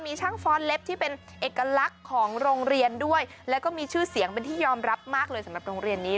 มีช่างฟ้อนเล็บที่เป็นเอกลักษณ์ของโรงเรียนด้วยแล้วก็มีชื่อเสียงเป็นที่ยอมรับมากเลยสำหรับโรงเรียนนี้